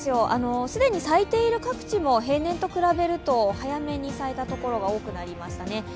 既に咲いている各地も平年と比べると早めに咲いたところが多くなりましたね。